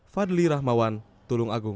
fadli rahmawan tulung agung